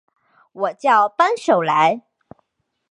我叫帮手来